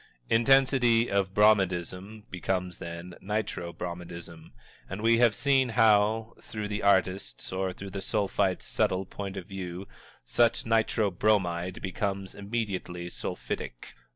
Intensity of Bromidism becomes, then, Nitro Bromidism, and we have seen how, through the artist's, or through a Sulphite's subtle point of view, such Nitro Bromide becomes immediately sulphitic.